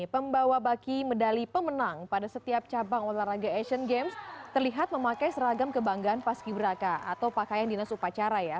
pembawa baki medali pemenang pada setiap cabang olahraga asian games terlihat memakai seragam kebanggaan paski beraka atau pakaian dinas upacara ya